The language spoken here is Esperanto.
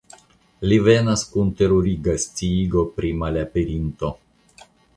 Li venas kun teruriga sciigo pri la malaperinto.